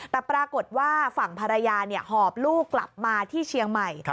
แต่ปรากฏว่าฝั่งภรรยาหอบลูกกลับมาที่เชียงใหม่